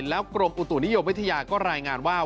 แล้วกรมอุตุนิยมวิทยาก็รายงานว่า